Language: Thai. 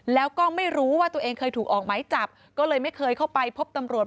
แล้วก็ไม่รู้ว่าตัวเองเคยถูกออกไหมจับก็เลยไม่เคยเข้าไปพบตำรวจ